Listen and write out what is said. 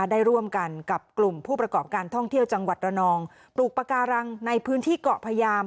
ได้ร่วมกันกับกลุ่มผู้ประกอบการท่องเที่ยวจังหวัดระนองปลูกปากการังในพื้นที่เกาะพยาม